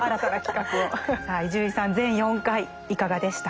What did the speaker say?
さあ伊集院さん全４回いかがでしたか。